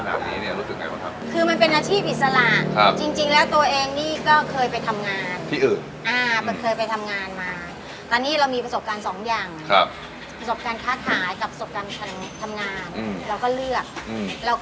เราถือว่าเราไม่ได้ต้องมาเริ่มต้นใหม่เราก็โชคดีว่าเก็บลูกค้าของพ่อไว้อยู่